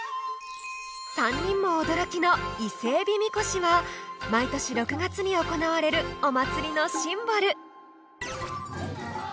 ３人も驚きの「伊勢エビ神輿」は毎年６月に行われるお祭りのシンボル！